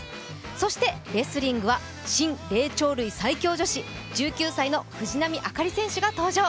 そしてレスリングはシン・霊長類最強女子、１９歳の藤波朱理選手が登場。